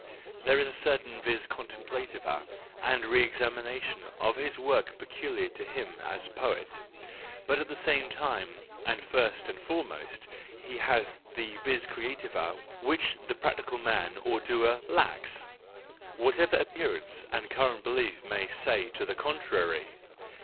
There is certainly vis contemplativa, , and re examination of his work peculiar to him as poet, but at the same time, and first and foremost, he has the vis creativa , which the practical man or doer lacks , whatever appearance and current belief may say to the contrary.